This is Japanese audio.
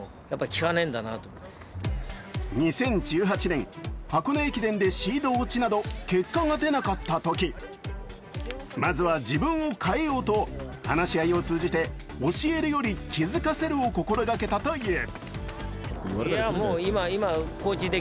２０１８年、箱根駅伝でシード落ちなど結果が出なかったとき、まずは自分を変えようと話し合いを通じて教えるより気付かせるを心がけたという。